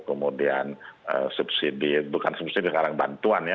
kemudian subsidi bukan subsidi sekarang bantuan ya